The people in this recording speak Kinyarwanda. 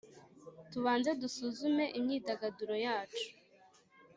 tubanze dusuzume imyidagaduro yacu